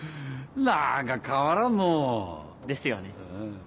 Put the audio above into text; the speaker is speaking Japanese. なんか変わらんのう。ですよね。